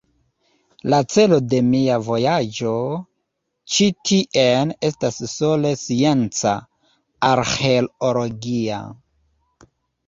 La celo de mia vojaĝo ĉi tien estas sole scienca, arĥeologia.